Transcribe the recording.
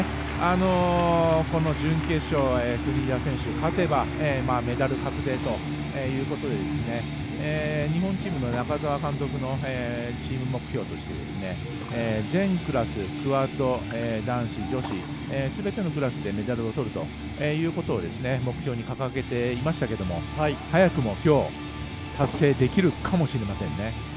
準決勝で国枝選手が勝てば、メダル確定ということで日本チームの中澤監督の目標ということで全クラスクアード、男子、女子すべてのクラスでメダルをとるということを目標に掲げていましたけど早くもきょう達成できるかもしれませんね。